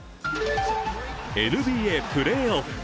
ＮＢＡプレーオフ。